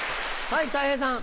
はいたい平さん。